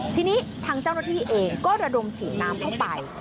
ทีนี้ทางเจ้าหน้าที่เองก็ระดมฉีดน้ำเข้าไป